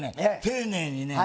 丁寧にね